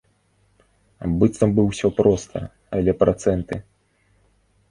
Быццам бы ўсё проста, але працэнты!